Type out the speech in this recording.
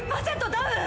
ダウン！